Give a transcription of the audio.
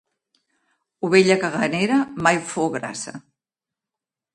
Ovella caganera mai fou grassa.